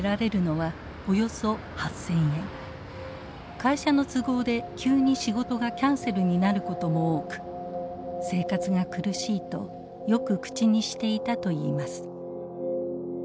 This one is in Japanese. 会社の都合で急に仕事がキャンセルになることも多く「生活が苦しい」とよく口にしていたといいます。